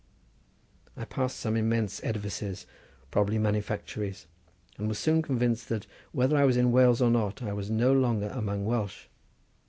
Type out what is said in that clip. I passed some immense edifices, probably manufactories, and was soon convinced that, whether I was in Wales or not, I was no longer amongst Welsh.